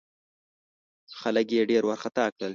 خلک یې ډېر وارخطا کړل.